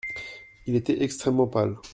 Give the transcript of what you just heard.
Il était extrêmement pâle.